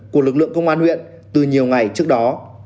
của lực lượng công an huyện từ nhiều ngày trước đó